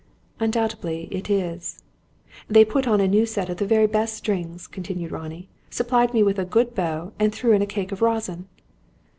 "Undoubtedly it is." "They put on a new set of the very best strings," continued Ronnie; "supplied me with a good bow, and threw in a cake of rosin."